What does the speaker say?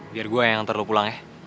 biar gue yang hantar lo pulang ya